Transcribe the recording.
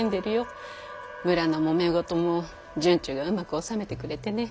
村のもめ事も惇忠がうまく収めてくれてねぇ。